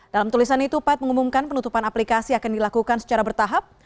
dalam tulisan itu pad mengumumkan penutupan aplikasi akan dilakukan secara bertahap